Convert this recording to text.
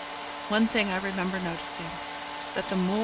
One thing I remember noticing, that the more M.